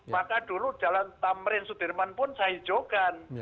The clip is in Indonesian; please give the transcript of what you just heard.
maka dulu jalan tamrin sudirman pun saya hijaukan